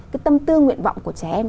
cái tâm tư nguyện vọng của trẻ em